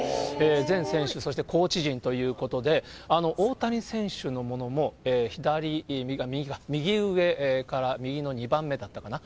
全選手、そしてコーチ陣ということで、大谷選手のものも、左、右か、右上から右の２番目だったかな。